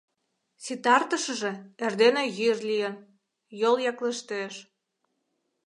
Ситартышыже, эрдене йӱр лийын, йол яклештеш.